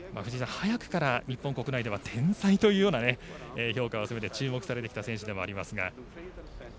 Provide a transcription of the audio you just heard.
早くから日本国内では天才というような評価をされて注目された選手ですが。